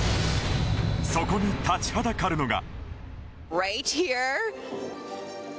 そこに立ちはだかるのが。